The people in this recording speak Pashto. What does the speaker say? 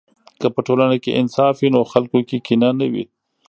که په ټولنه کې انصاف وي، نو خلکو کې کینه نه وي.